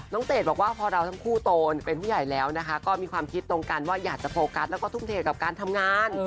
เตดบอกว่าพอเราทั้งคู่โตเป็นผู้ใหญ่แล้วนะคะก็มีความคิดตรงกันว่าอยากจะโฟกัสแล้วก็ทุ่มเทกับการทำงาน